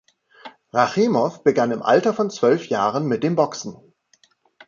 Rachimow begann im Alter von zwölf Jahren mit dem Boxen.